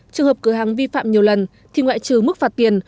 trường hợp cửa hàng vi phạm nhiều lần thì ngoại trừ mức phạt tiền